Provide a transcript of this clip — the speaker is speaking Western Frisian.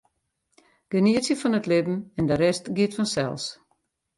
Genietsje fan it libben en de rest giet fansels.